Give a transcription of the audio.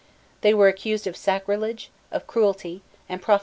They were accused of sacrilege, of cruelty, and profligacy.